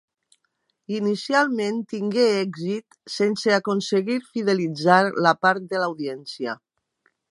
Inicialment tingué èxit sense aconseguir fidelitzar part de l'audiència.